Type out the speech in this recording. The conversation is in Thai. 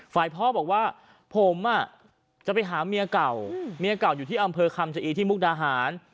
ฝ่ายพ่อบอกว่าผมจะไปหาเมียเก่าเมียเก่าอยู่ที่อำเภอคำชะอีที่มุกดาหาร